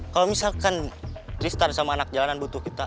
kalo misalkan tristan sama anak jalanan butuh kita